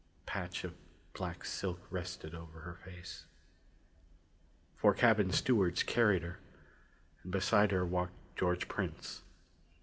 A patch of black silk rested over her face. Four cabin stewards carried her; and beside her walked George Prince.